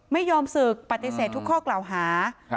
ไม่ยอมศึกปฏิเสธทุกข้อกล่าวหา